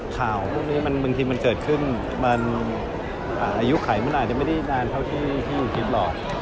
ข่าวพวกนี้มันบางทีมันเกิดขึ้นอายุไขมันอาจจะไม่นานเท่าที่ที่อูชิปหรอ